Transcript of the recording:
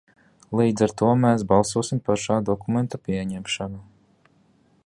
Līdz ar to mēs balsosim par šā dokumenta pieņemšanu.